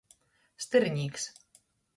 Styrnīks.